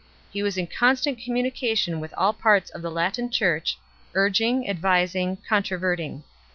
He was in constant communication with all parts of the Latin Church, urging, advising, controverting.